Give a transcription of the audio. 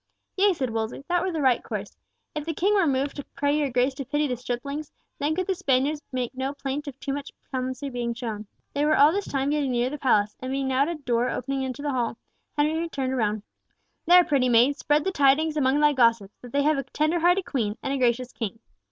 "Yea," said Wolsey. "That were the right course. If the Queen were moved to pray your Grace to pity the striplings then could the Spaniards make no plaint of too much clemency being shown." They were all this time getting nearer the palace, and being now at a door opening into the hall, Henry turned round. "There, pretty maid, spread the tidings among thy gossips, that they have a tender hearted Queen, and a gracious King.